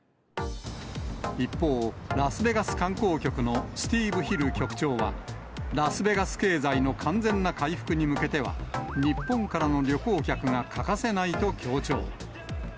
一方、ラスベガス観光局のスティーブ・ヒル局長は、ラスベガス経済の完全な回復に向けては、日本からの旅行客が欠かせないと強調。